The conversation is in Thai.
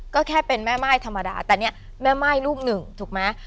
ก็แค่เป็นแม่ม่ายธรรมดาแต่เนี่ยแม่ม่ายรูปหนึ่งถูกไหม